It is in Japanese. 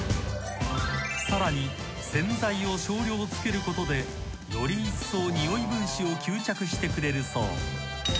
［さらに洗剤を少量つけることでより一層におい分子を吸着してくれるそう］